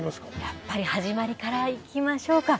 やっぱり始まりから行きましょうか。